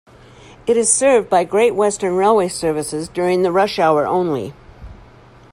It is served by Great Western Railway services during the rush hour only.